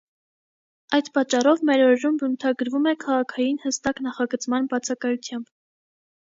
Այդ պատճառով մեր օրերում բնութագրվում է քաղաքային հստակ նախագծման բացակայությամբ։